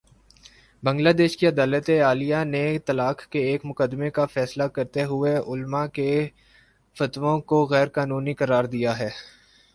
بنگلہ دیش کی عدالتِ عالیہ نے طلاق کے ایک مقدمے کا فیصلہ کرتے ہوئے علما کے فتووں کو غیر قانونی قرار دیا ہے